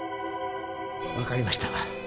分かりました。